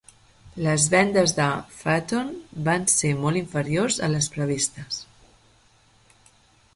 Les vendes de Phaeton van ser molt inferiors a les previstes.